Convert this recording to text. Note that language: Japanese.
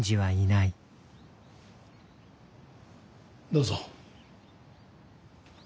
どうぞ。